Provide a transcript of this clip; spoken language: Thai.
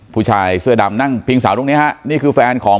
ผู้ชายเสื้อดำนั่งพิงสาวตรงนี้ฮะนี่คือแฟนของ